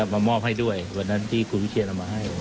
มามอบให้ด้วยวันนั้นที่คุณวิเชียนเอามาให้